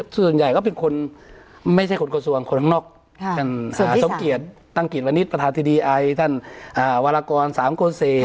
ส่วนใหญ่ก็เป็นคนไม่ใช่คนกระทรวงคนข้างนอก